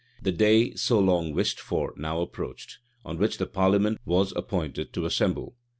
The day so long wished for now approached, on which the parliament was appointed to assemble.